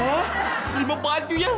hah lima baju yang